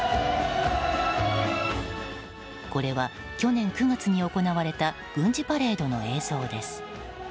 これは去年９月に行われた軍事パレードの映像です。